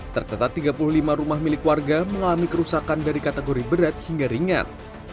tercatat tiga puluh lima rumah milik warga mengalami kerusakan dari kategori berat hingga ringan